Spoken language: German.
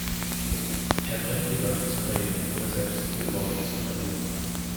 Er bringt die Leute zum Reden, ohne selbst viele Worte zu verlieren.